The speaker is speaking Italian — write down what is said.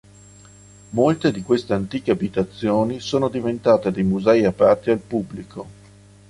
Molte di queste antiche abitazioni sono diventate dei musei aperti al pubblico.